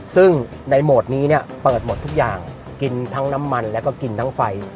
ซึ่งในโหมดนี้เนี่ยเปิดหมดทุกอย่างกินทั้งน้ำมันแล้วก็กินทั้งไฟ